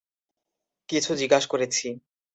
কিছু জিগাস করেছি?